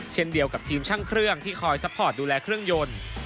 เช่นเดียวกับทีมช่างเครื่องที่คอยซัพพอร์ตดูแลเครื่องยนต์